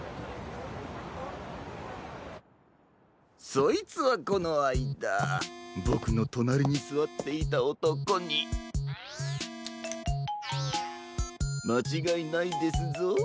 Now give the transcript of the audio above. そいつはこのあいだボクのとなりにすわっていたおとこにまちがいないですぞ。